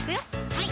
はい